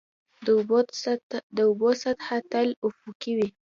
د اوبو سطحه تل افقي وي.